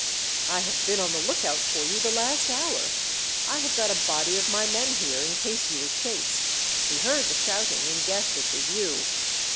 "I have been on the lookout for you the last hour. I have got a body of my men here, in case you were chased. We heard the shouting and guessed it was you."